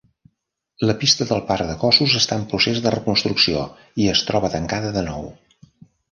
La pista del parc de gossos està en procés de reconstrucció i es troba tancada de nou.